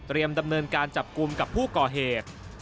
ดำเนินการจับกลุ่มกับผู้ก่อเหตุ